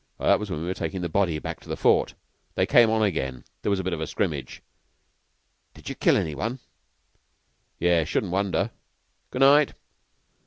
"That was when we were taking the body back to the Fort. They came on again, and there was a bit of a scrimmage." "Did you kill any one?" "Yes. Shouldn't wonder. Good night."